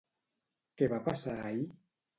Què va passar ahir?